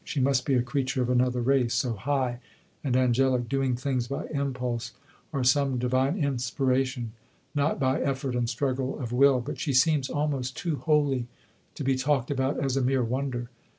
She must be a creature of another race, so high and angelic, doing things by impulse or some divine inspiration, not by effort and struggle of will. But she seems almost too holy to be talked about as a mere wonder.